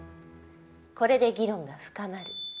これで議論が深まる。